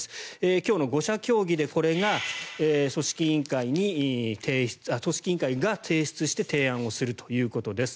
今日の５者協議でこれを組織委員会が提出して提案をするということです。